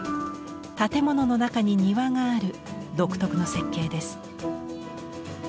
建物の中に庭がある独特の設計です。